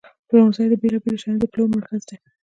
پلورنځی د بیلابیلو شیانو د پلور مرکز دی.